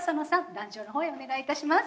壇上のほうへお願いいたします。